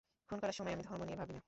খুন করার সময় আমি ধর্ম নিয়ে ভাবি না।